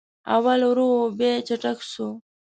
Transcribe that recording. اول ورو و بیا چټک سو